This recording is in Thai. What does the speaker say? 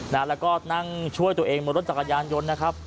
แล้วก็นั่งช่วยตัวเองบนรถจักรยานยนต์นะครับ